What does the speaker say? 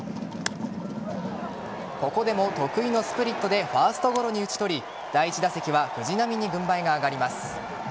ここでも得意のスプリットでファーストゴロに打ち取り第１打席は藤浪に軍配が上がります。